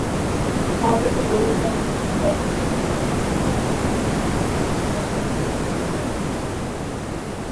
বাংলাদেশের গৌরবময় অন্যতম দর্শনীয় স্থান সোমপুর বৌদ্ধবিহার বা পাহাড়পুর বৌদ্ধবিহার, পাহাড়পুর ইউনিয়নে অবস্থিত।